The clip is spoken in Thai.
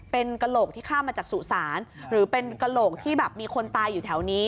เป็นกระโหลกที่ข้ามมาจากสุสานหรือเป็นกระโหลกที่แบบมีคนตายอยู่แถวนี้